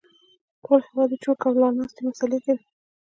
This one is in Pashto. ټول هېواد يې چور کړ او لا ناست دی مسالې کوي